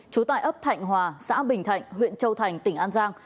trú tại ấp thạnh hòa xã bình thạnh huyện châu thành tỉnh an giang